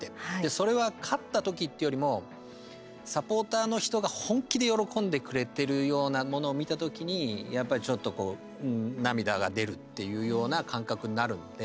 それは勝った時っていうよりもサポーターの人が本気で喜んでくれてるようなものを見た時に、やっぱりちょっと涙が出るっていうような感覚になるので。